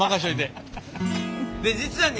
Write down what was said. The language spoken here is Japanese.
で実はね